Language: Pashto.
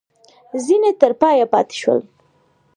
ځیني تر پایه پاته شول.